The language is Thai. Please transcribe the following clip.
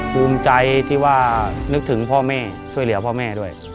ภูมิใจที่ว่านึกถึงพ่อแม่ช่วยเหลือพ่อแม่ด้วย